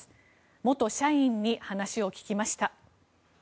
元社員に話を聞きました。